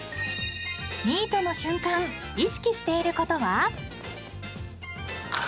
［ミートの瞬間意識していることは？］